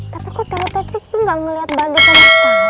tapi kok tau tadi sih gak ngeliat banda sama sekali